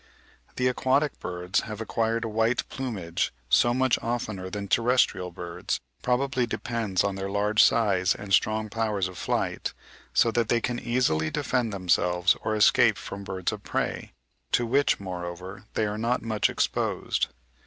That aquatic birds have acquired a white plumage so much oftener than terrestrial birds, probably depends on their large size and strong powers of flight, so that they can easily defend themselves or escape from birds of prey, to which moreover they are not much exposed.